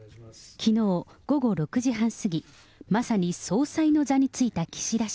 きのう午後６時半過ぎ、まさに総裁の座に着いた岸田氏。